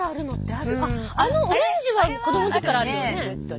あっあのオレンジは子どものときからあるよね。